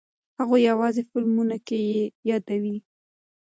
هغوی یوازې فلمونو کې یې یادوي.